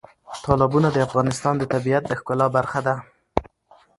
تالابونه د افغانستان د طبیعت د ښکلا برخه ده.